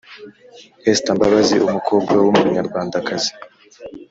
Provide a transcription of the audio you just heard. esther mbabazi umukobwa w’umunyarwandakazi